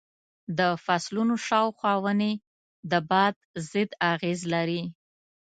د فصلونو شاوخوا ونې د باد ضد اغېز لري.